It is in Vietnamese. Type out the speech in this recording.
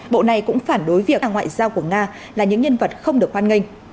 bộ này cũng phản đối việc ngoại giao của nga là những nhân vật không được hoan nghênh